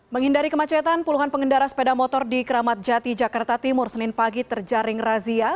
menghindari kemacetan puluhan pengendara sepeda motor di keramat jati jakarta timur senin pagi terjaring razia